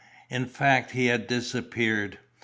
In fact, he had disappeared.